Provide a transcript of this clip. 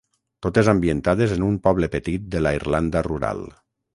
Totes ambientades en un poble petit de la Irlanda rural.